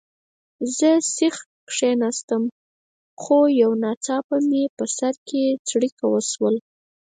زه سیخ کښېناستم، خو یو ناڅاپه مې په سر کې څړیکه وشول.